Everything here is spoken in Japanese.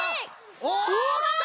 おきた！